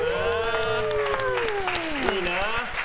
いいな。